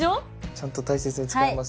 ちゃんと大切に使います。